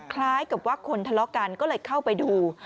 คล้ายกับว่าคนทะเลาะกันก็เลยเข้าไปดู